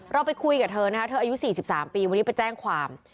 เราไปคุยกับเธอนะคะเธออายุ๔๓ปีวันนี้ไปแจ้งความ